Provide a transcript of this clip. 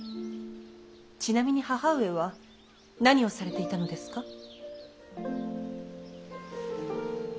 ちなみに義母上は何をされていたのですか。